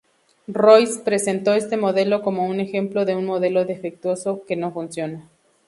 Royce presentó este modelo como un ejemplo de un modelo defectuoso, que no funciona.